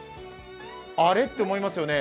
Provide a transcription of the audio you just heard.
あれって思いますよね。